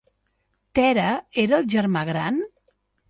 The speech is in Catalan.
Tèrah era el germà gran?